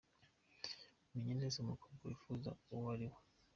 Menya neza umukobwa wifuza uwo ari we.